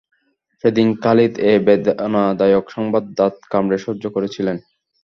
সেদিন খালিদ এ বেদনাদায়ক সংবাদ দাঁত কামড়ে সহ্য করেছিলেন।